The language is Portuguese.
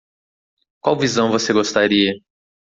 Qual visão você gostaria?